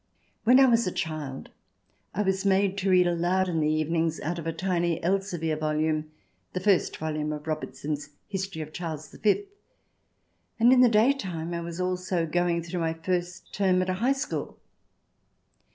When I was a child I was made to read aloud in the evenings out of a tiny Elzevir volume, the first volume of Robertson's " History of Charles the Fifth." And in the day time I was also going through my first term at a High School.